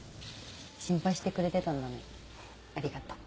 心配してくれてたんだねありがとう。